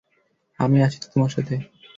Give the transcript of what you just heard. আমি আছি তো তোমার সাথে!